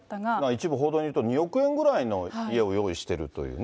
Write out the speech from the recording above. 一部報道によると、２億円ぐらいの家を用意しているというね。